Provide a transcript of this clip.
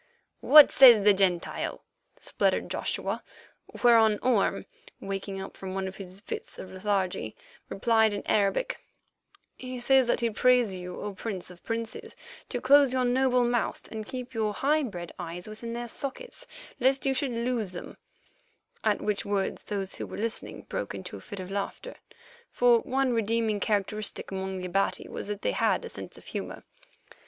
"What says the Gentile?" spluttered Joshua, whereon Orme, waking up from one of his fits of lethargy, replied in Arabic: "He says that he prays you, O Prince of princes, to close your noble mouth and to keep your high bred eyes within their sockets lest you should lose them"; at which words those who were listening broke into a fit of laughter, for one redeeming characteristic among the Abati was that they had a sense of humour.